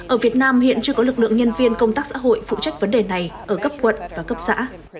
ở việt nam hiện chưa có lực lượng nhân viên công tác xã hội phụ trách vấn đề này ở cấp quận và cấp xã